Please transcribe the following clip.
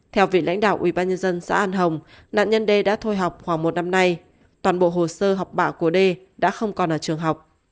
theo vị lãnh đạo ủy ban nhân dân xã an hồng nạn nhân đê đã thôi học khoảng một năm nay toàn bộ hồ sơ học bạ của đê đã không còn ở trường học